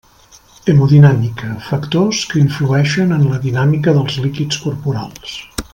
Hemodinàmica: factors que influeixen en la dinàmica dels líquids corporals.